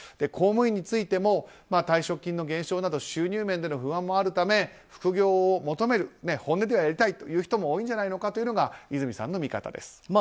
公務員についても退職金の減少など収入面での不安もあるので副業を求める本音ではやりたいという人も多いんじゃないかというのが和泉さんの見方です。